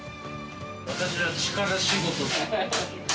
私は力仕事。